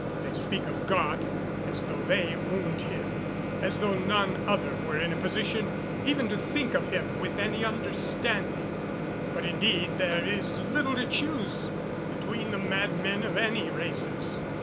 They speak of God as though they owned Him; as though none other were in a position even to think of Him with any understanding. But indeed there is little to choose between the madmen of any races.